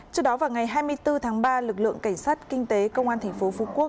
trước đó vào ngày hai mươi bốn tháng ba lực lượng cảnh sát kinh tế công an thành phố phú quốc